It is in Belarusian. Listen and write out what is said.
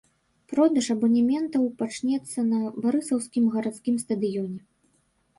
Продаж абанементаў пачнецца на барысаўскім гарадскім стадыёне.